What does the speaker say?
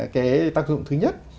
cái tác dụng thứ nhất